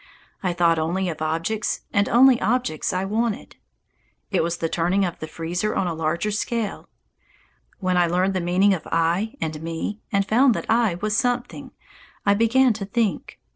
I thought only of objects, and only objects I wanted. It was the turning of the freezer on a larger scale. When I learned the meaning of "I" and "me" and found that I was something, I began to think.